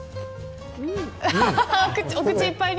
お口いっぱいに。